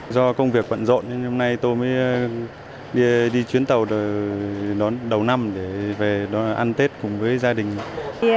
do công việc vẫn rộn hôm nay tôi mới đi chuyến tàu đầu năm để về ăn tết cùng với gia đình